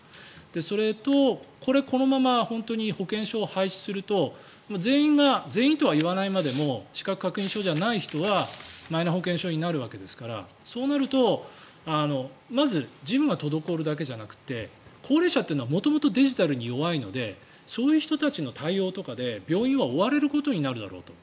それと、これこのまま保険証を廃止すると全員が全員とは言わないまでも資格確認書じゃない人はマイナ保険証になるわけですからそうなるとまず事務が滞るだけじゃなくて高齢者は元々デジタルに弱いのでそういう人たちの対応とかで病院は追われることになるだろうと。